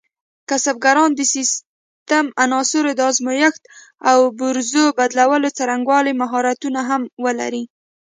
کسبګران د سیسټم عناصرو د ازمېښت او پرزو بدلولو څرنګوالي مهارتونه هم ولري.